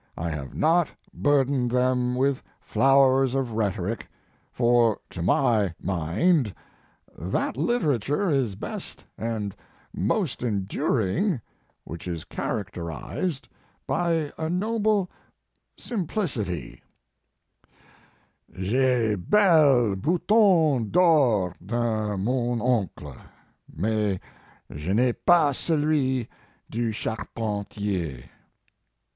I have not burdened them with flowers of rhetoric, for, to my mind, that literature is best and most enduring which is characterized by a noble simplicity: JPai belle bouton d or de mon oncle, mais je n ai pas celui du charpentier.